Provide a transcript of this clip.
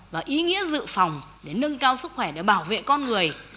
và ý nghĩa dự phòng để nâng cao sức khỏe để bảo vệ con người